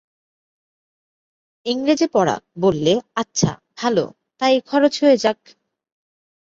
ইংরেজি-পড়া বললে, আচ্ছা, ভালো, তাই খরচ হয়ে যাক।